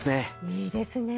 いいですね。